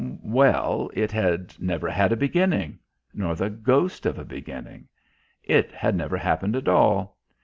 Well it had never had a beginning; nor the ghost of a beginning. It had never happened at all.